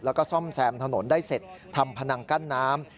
แล้วก็ซ่อมแซมถนนได้เสร็จทำพนังกั้นน้ำ